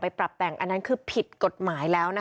ปรับแต่งอันนั้นคือผิดกฎหมายแล้วนะคะ